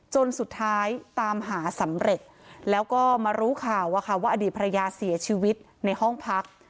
จนสุดท้ายตามหาสำเร็จแล้วก็มารู้ข่าวว่าอดีตภรรยาเสียชีวิตในห้องพัก